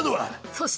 そして！